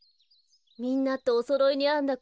みんなとおそろいにあんだ